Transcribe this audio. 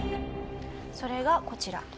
それがこちら。